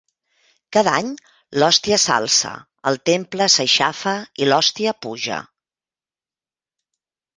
Cada any l’hòstia s'alça, el temple s'aixafa i l’hòstia puja...